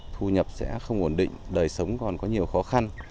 thu nhập sẽ không ổn định đời sống còn có nhiều khó khăn